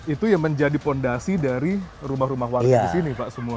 itu yang menjadi fondasi dari rumah rumah warga disini pak semuanya